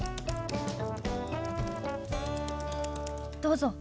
どうぞ。